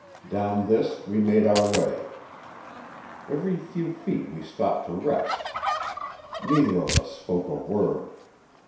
Down this we made our way. Every few feet we stopped to rest. Neither of us spoke a word.